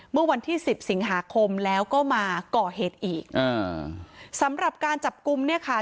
เมื่อวันที่สิบสิงหาคมแล้วก็มาก่อเหตุอีกอ่าสำหรับการจับกลุ่มเนี่ยค่ะ